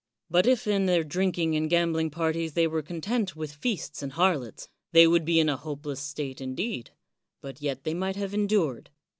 But if in their drink ing and gambling parties they were content with feasts and harlots, they would be in a hopeless state indeed; but yet they might be endured.